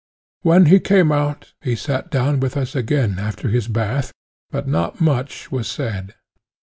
When he came out, he sat down with us again after his bath, but not much was said.